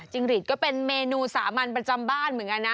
หลีดก็เป็นเมนูสามัญประจำบ้านเหมือนกันนะ